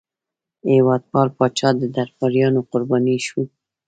هېوادپال پاچا د درباریانو قرباني شو.